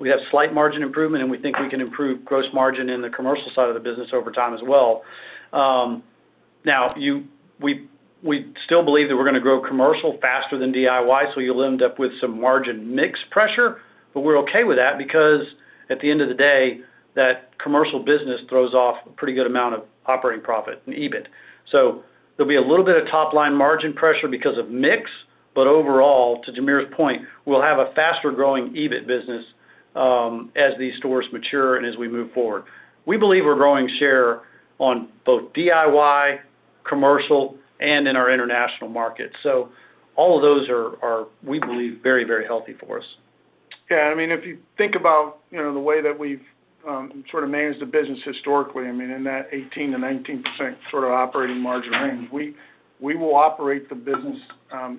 we have slight margin improvement, and we think we can improve gross margin in the commercial side of the business over time as well. We, we still believe that we're gonna grow commercial faster than DIY, so you'll end up with some margin mix pressure. We're okay with that because at the end of the day, that commercial business throws off a pretty good amount of operating profit in EBIT. There'll be a little bit of top line margin pressure because of mix. Overall, to Jamere's point, we'll have a faster growing EBIT business, as these stores mature and as we move forward. We believe we're growing share on both DIY, commercial, and in our international markets. All of those are, we believe, very healthy for us. Yeah. I mean, if you think about, you know, the way that we've sort of managed the business historically, I mean, in that 18%-19% sort of operating margin range, we will operate the business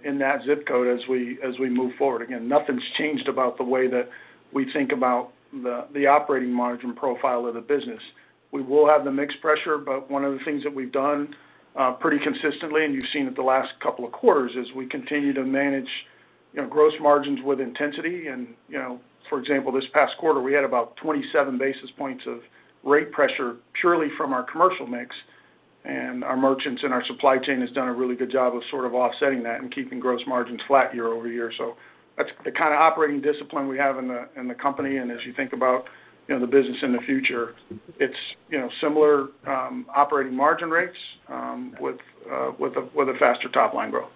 in that ZIP Code as we move forward. Nothing's changed about the way that we think about the operating margin profile of the business. We will have the mix pressure, but one of the things that we've done pretty consistently, and you've seen it the last couple of quarters, is we continue to manage, you know, gross margins with intensity. You know, for example, this past quarter, we had about 27 basis points of rate pressure purely from our commercial mix. Our merchants and our supply chain has done a really good job of sort of offsetting that and keeping gross margins flat year-over-year. That's the kind of operating discipline we have in the, in the company. As you think about, you know, the business in the future, it's, you know, similar operating margin rates with a faster top-line growth.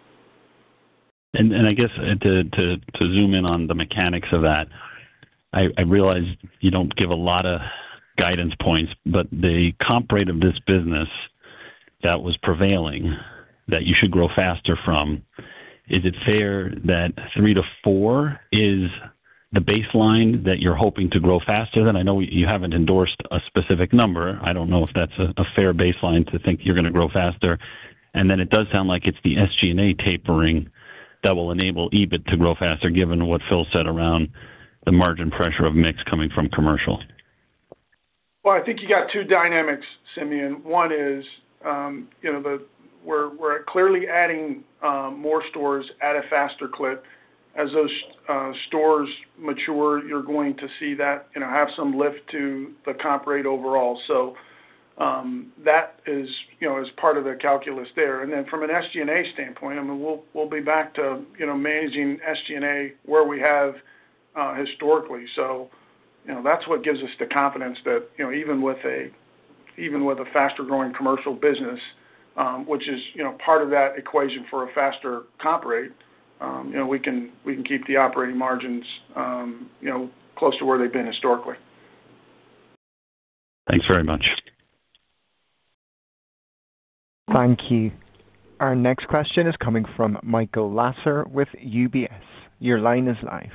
I guess to zoom in on the mechanics of that, I realize you don't give a lot of guidance points, the comp rate of this business that was prevailing that you should grow faster from, is it fair that 3%-4% is the baseline that you're hoping to grow faster than? I know you haven't endorsed a specific number. I don't know if that's a fair baseline to think you're gonna grow faster. Then it does sound like it's the SG&A tapering that will enable EBIT to grow faster, given what Phil said around the margin pressure of mix coming from commercial. I think you got two dynamics, Simeon. One is, you know, we're clearly adding more stores at a faster clip. As those stores mature, you're going to see that, you know, have some lift to the comp rate overall. That is, you know, is part of the calculus there. From an SG&A standpoint, I mean, we'll be back to, you know, managing SG&A where we have historically. You know, that's what gives us the confidence that, you know, even with a faster-growing commercial business, which is, you know, part of that equation for a faster comp rate, you know, we can keep the operating margins, you know, close to where they've been historically. Thanks very much. Thank you. Our next question is coming from Michael Lasser with UBS. Your line is live.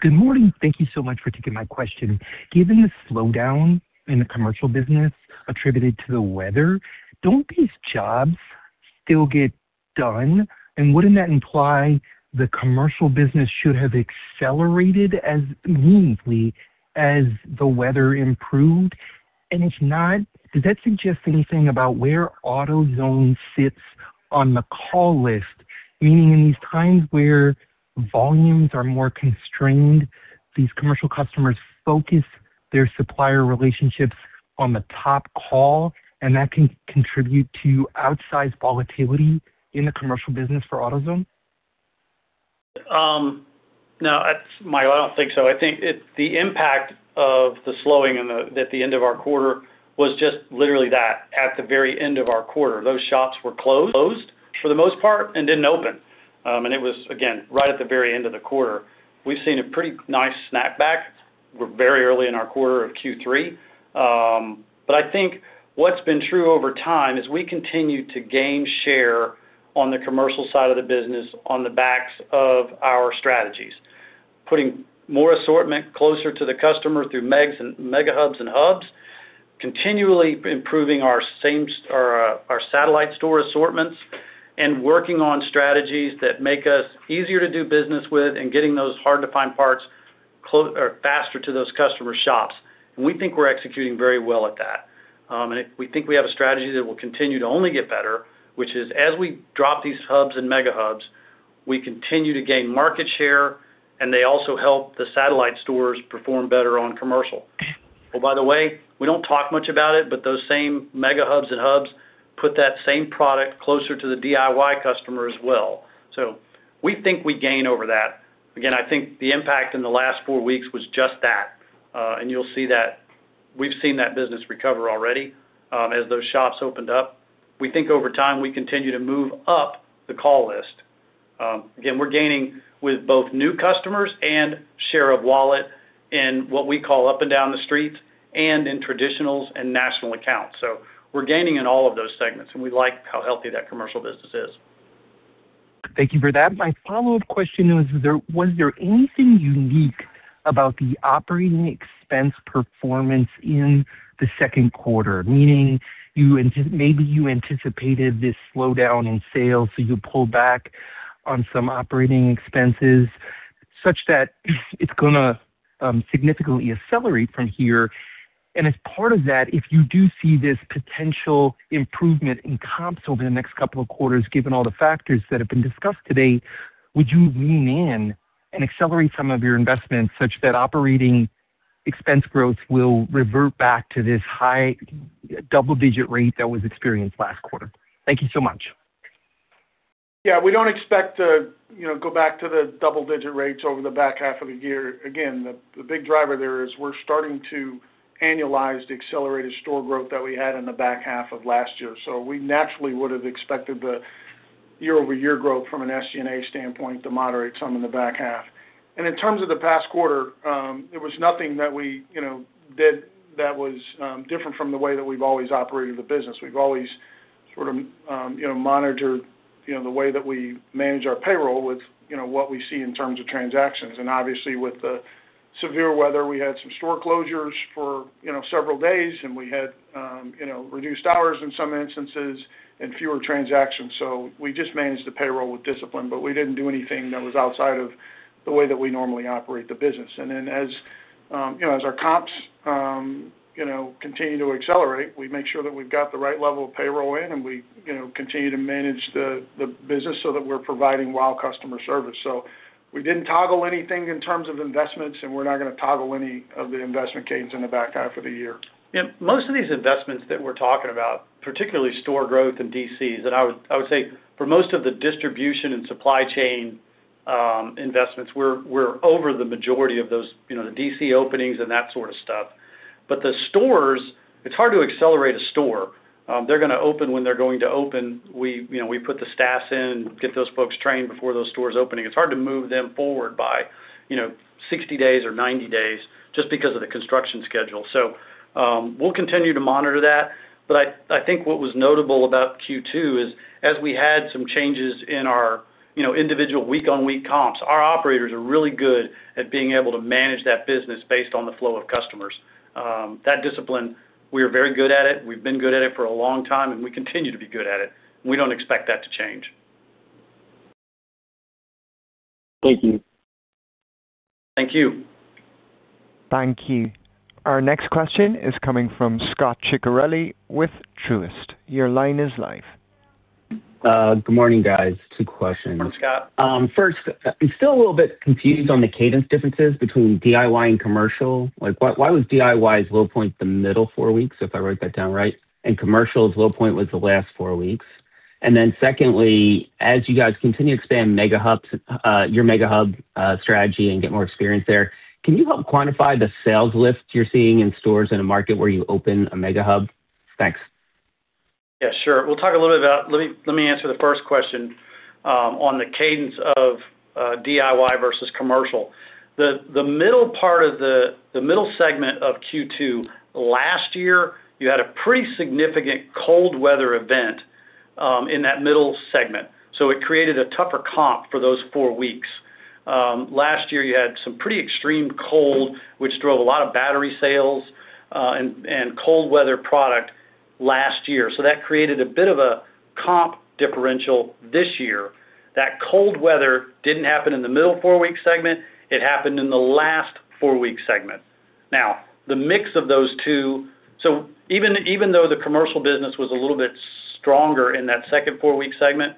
Good morning. Thank you so much for taking my question. Given the slowdown in the commercial business attributed to the weather, don't these jobs still get done? Wouldn't that imply the commercial business should have accelerated as meaningfully as the weather improved? If not, does that suggest anything about where AutoZone sits on the call list, meaning in these times where volumes are more constrained, these commercial customers focus their supplier relationships on the top call, and that can contribute to outsized volatility in the commercial business for AutoZone? No, that's Michael, I don't think so. I think the impact of the slowing at the end of our quarter was just literally that, at the very end of our quarter. Those shops were closed for the most part and didn't open. It was, again, right at the very end of the quarter. We've seen a pretty nice snapback. We're very early in our quarter of Q3. I think what's been true over time is we continue to gain share on the commercial side of the business on the backs of our strategies, putting more assortment closer to the customer through Mega Hubs and Hubs, continually improving our satellite store assortments, and working on strategies that make us easier to do business with and getting those hard to find parts or faster to those customer shops. We think we're executing very well at that. We think we have a strategy that will continue to only get better, which is, as we drop these Hubs and Mega Hubs, we continue to gain market share, and they also help the satellite stores perform better on commercial. By the way, we don't talk much about it, but those same Mega Hubs and Hubs put that same product closer to the DIY customer as well. We think we gain over that. I think the impact in the last four weeks was just that, and you'll see that we've seen that business recover already, as those shops opened up. We think over time, we continue to move up the call list. Again, we're gaining with both new customers and share of wallet in what we call up and down the street and in traditionals and national accounts. We're gaining in all of those segments, and we like how healthy that commercial business is. Thank you for that. My follow-up question was there anything unique about the operating expense performance in the second quarter? Meaning you maybe you anticipated this slowdown in sales, so you pulled back on some operating expenses such that it's gonna significantly accelerate from here. As part of that, if you do see this potential improvement in comps over the next couple of quarters, given all the factors that have been discussed today, would you lean in and accelerate some of your investments such that operating expense growth will revert back to this high double-digit rate that was experienced last quarter? Thank you so much. Yeah, we don't expect to, you know, go back to the double-digit rates over the back half of the year. Again, the big driver there is we're starting to annualize the accelerated store growth that we had in the back half of last year. We naturally would have expected the year-over-year growth from an SG&A standpoint to moderate some in the back half. In terms of the past quarter, there was nothing that we, you know, did that was different from the way that we've always operated the business. We've always sort of, you know, monitored, you know, the way that we manage our payroll with, you know, what we see in terms of transactions. Obviously with the severe weather, we had some store closures for, you know, several days and we had, you know, reduced hours in some instances and fewer transactions. We just managed the payroll with discipline, but we didn't do anything that was outside of the way that we normally operate the business. As, you know, as our comps, you know, continue to accelerate, we make sure that we've got the right level of payroll in and we, you know, continue to manage the business so that we're providing wow customer service. We didn't toggle anything in terms of investments, and we're not gonna toggle any of the investment cadence in the back half of the year. Most of these investments that we're talking about, particularly store growth and DCs, I would say for most of the distribution and supply chain investments, we're over the majority of those, you know, the DC openings and that sort of stuff. The stores, it's hard to accelerate a store. They're gonna open when they're going to open. We, you know, we put the staffs in, get those folks trained before those stores opening. It's hard to move them forward by, you know, 60 days or 90 days just because of the construction schedule. We'll continue to monitor that. I think what was notable about Q2 is, as we had some changes in our, you know, individual week-on-week comps, our operators are really good at being able to manage that business based on the flow of customers. That discipline, we are very good at it, we've been good at it for a long time, and we continue to be good at it. We don't expect that to change. Thank you. Thank you. Thank you. Our next question is coming from Scot Ciccarelli with Truist. Your line is live. Good morning, guys. Two questions. Morning, Scot. First, I'm still a little bit confused on the cadence differences between DIY and commercial. Like, why was DIY's low point the middle four weeks, if I wrote that down right, and commercial's low point was the last four weeks? Secondly, as you guys continue to expand Mega Hubs, your Mega Hub strategy and get more experience there, can you help quantify the sales lift you're seeing in stores in a market where you open a Mega Hub? Thanks. Yeah, sure. We'll talk a little bit about. Let me answer the first question on the cadence of DIY versus commercial. The middle segment of Q2 last year, you had a pretty significant cold weather event in that middle segment. It created a tougher comp for those four weeks. Last year you had some pretty extreme cold, which drove a lot of battery sales and cold weather product last year. That created a bit of a comp differential this year. That cold weather didn't happen in the middle four-week segment, it happened in the last four-week segment. The mix of those two. Even though the commercial business was a little bit stronger in that second four-week segment,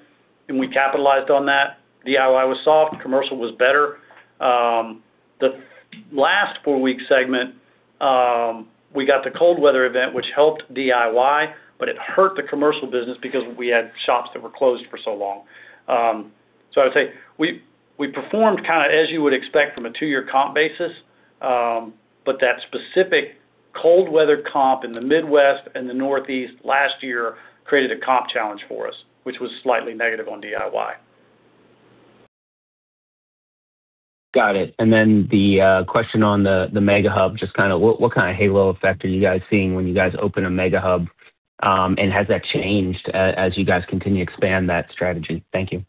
and we capitalized on that, DIY was soft, commercial was better. The last four-week segment, we got the cold weather event, which helped DIY, but it hurt the commercial business because we had shops that were closed for so long. I would say we performed kind of as you would expect from a two-year comp basis. That specific cold weather comp in the Midwest and the Northeast last year created a comp challenge for us, which was slightly negative on DIY. Got it. And then the question on the Mega Hub, just kind of what kind of halo effect are you guys seeing when you guys open a Mega Hub, and has that changed as you guys continue to expand that strategy? Thank you.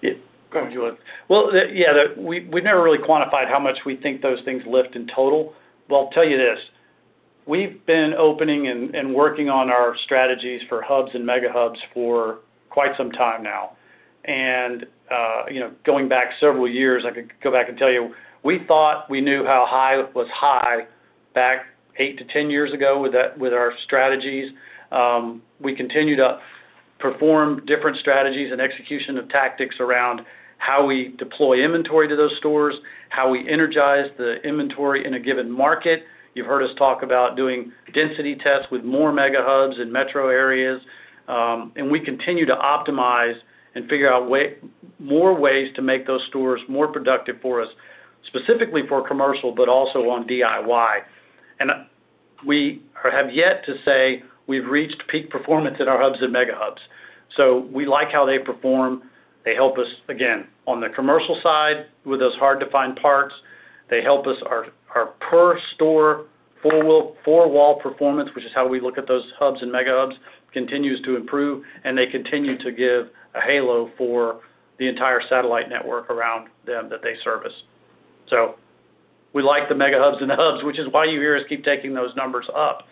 Yeah. Well, yeah, we've never really quantified how much we think those things lift in total. I'll tell you this. We've been opening and working on our strategies for hubs and Mega Hubs for quite some time now. You know, going back several years, I could go back and tell you, we thought we knew how high was high back 8-10 years ago with our strategies. We continue to perform different strategies and execution of tactics around how we deploy inventory to those stores, how we energize the inventory in a given market. You've heard us talk about doing density tests with more Mega Hubs in metro areas. We continue to optimize and figure out more ways to make those stores more productive for us, specifically for commercial but also on DIY. We have yet to say we've reached peak performance at our Hubs and Mega Hubs. We like how they perform. They help us, again, on the commercial side with those hard-to-find parts. They help us our per store four wall performance, which is how we look at those Hubs and Mega Hubs, continues to improve, and they continue to give a halo for the entire satellite network around them that they service. We like the Mega Hubs and the Hubs, which is why you hear us keep taking those numbers up,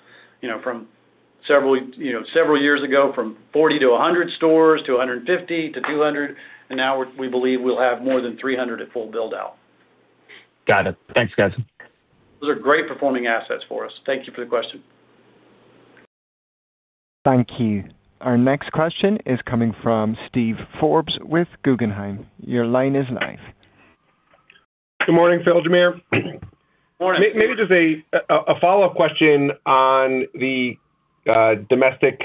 you know, from several, you know, several years ago, from 40-100 stores to 150-200, and now we believe we'll have more than 300 at full build-out. Got it. Thanks, guys. Those are great performing assets for us. Thank you for the question. Thank you. Our next question is coming from Steven Forbes with Guggenheim. Your line is live. Good morning, Phil, Jamere. Morning. Maybe just a follow-up question on the domestic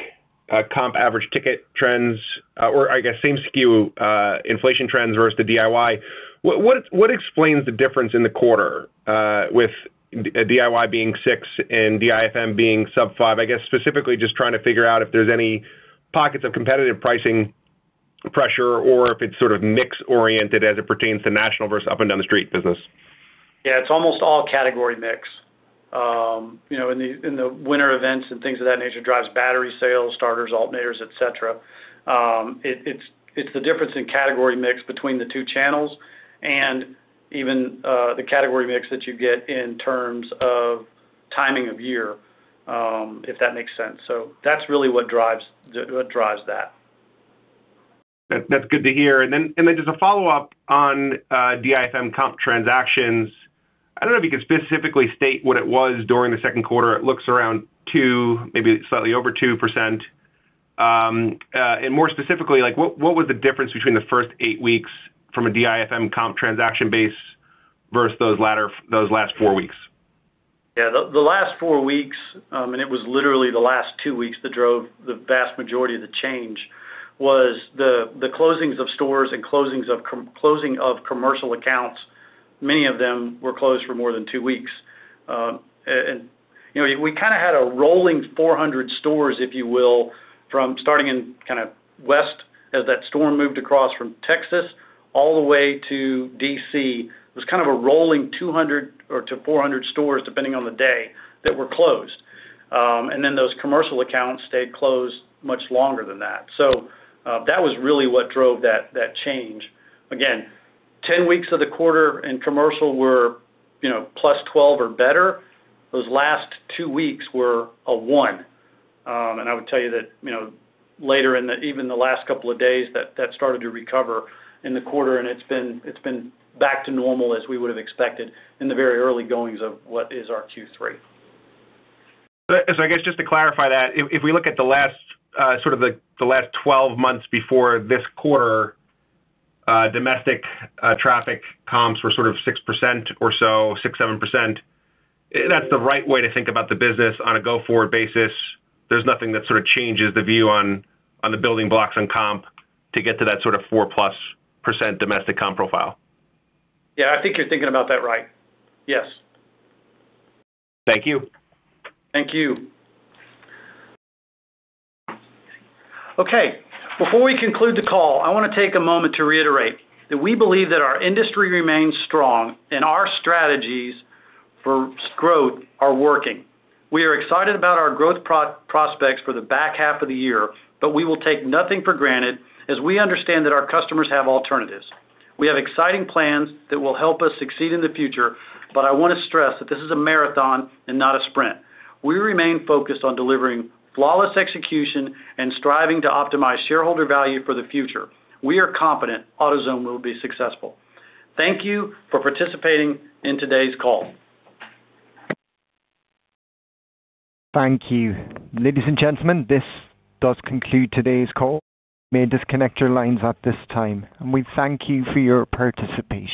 comp average ticket trends or I guess same SKU inflation trends versus the DIY. What explains the difference in the quarter with DIY being 6% and DIFM being sub 5%? I guess specifically just trying to figure out if there's any pockets of competitive pricing pressure or if it's sort of mix-oriented as it pertains to national versus up and down the street business. Yeah. It's almost all category mix. You know, in the, in the winter events and things of that nature drives battery sales, starters, alternators, et cetera. It's the difference in category mix between the two channels and even the category mix that you get in terms of timing of year, if that makes sense. That's really what drives what drives that. That's good to hear. Then just a follow-up on DIFM comp transactions. I don't know if you can specifically state what it was during the second quarter. It looks around two, maybe slightly over 2%. More specifically, like what was the difference between the first eight weeks from a DIFM comp transaction base versus those last four weeks? Yeah. The last four weeks, it was literally the last two weeks that drove the vast majority of the change was the closings of stores and closings of commercial accounts, many of them were closed for more than two weeks. You know, we kinda had a rolling 400 stores, if you will, from starting in kinda west as that storm moved across from Texas all the way to D.C. It was kind of a rolling 200 or to 400 stores, depending on the day, that were closed. Those commercial accounts stayed closed much longer than that. That was really what drove that change. Again, 10 weeks of the quarter in commercial were, you know, +12 or better. Those last two weeks were a one. I would tell you that, you know, later in the even the last couple of days that that started to recover in the quarter, and it's been back to normal as we would have expected in the very early goings of what is our Q3. I guess just to clarify that, if we look at the last, sort of the last 12 months before this quarter, domestic traffic comps were sort of 6% or so, 6%-7%. That's the right way to think about the business on a go-forward basis. There's nothing that sort of changes the view on the building blocks on comp to get to that sort of 4%+ domestic comp profile. Yeah. I think you're thinking about that right. Yes. Thank you. Thank you. Okay. Before we conclude the call, I wanna take a moment to reiterate that we believe that our industry remains strong and our strategies for growth are working. We are excited about our growth prospects for the back half of the year. We will take nothing for granted as we understand that our customers have alternatives. We have exciting plans that will help us succeed in the future. I wanna stress that this is a marathon and not a sprint. We remain focused on delivering flawless execution and striving to optimize shareholder value for the future. We are confident AutoZone will be successful. Thank you for participating in today's call. Thank you. Ladies and gentlemen, this does conclude today's call. You may disconnect your lines at this time, and we thank you for your participation.